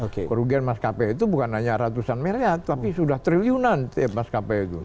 kerugian maskapai itu bukan hanya ratusan miliar tapi sudah triliunan maskapai itu